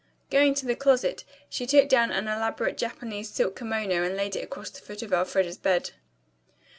Going to the closet, she took down an elaborate Japanese silk kimono and laid it across the foot of Elfreda's bed.